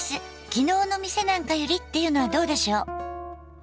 「昨日の店なんかより」っていうのはどうでしょう。